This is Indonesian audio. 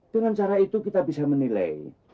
dengan cara itu kita bisa menilai